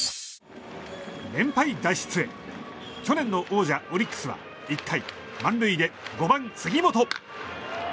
連敗脱出へ去年の王者オリックスは１回、満塁で５番、杉本。